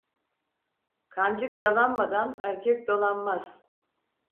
Kancık yalanmadan erkek dolanmaz.